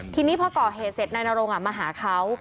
ทีนี้พอก่อเหตุเสร็จนายนรงมาหาเขา